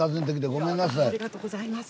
ありがとうございます。